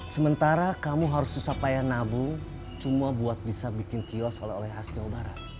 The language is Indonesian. sementara kamu harus susah payah nabung cuma buat bisa bikin kios oleh oleh khas jawa barat